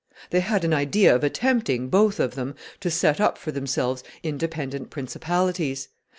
They had an idea of attempting, both of them, to set up for themselves independent principalities.